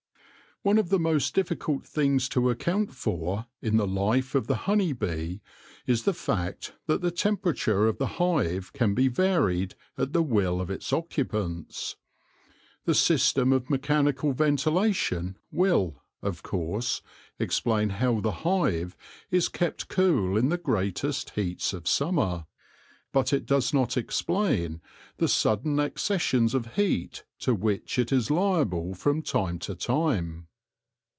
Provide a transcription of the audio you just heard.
One of the most difficult things to account for in the life of the honey bee is the fact that the tem perature of the hive can be varied at the will of its occupants. The system of mechanical ventilation will, of course, explain how the hive is kept cool in the greatest heats of summer, but it does not explain the sudden accessions of heat to which it is liable from time to time.